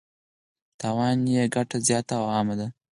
تاوان یې ګټه زیاته او عامه ده.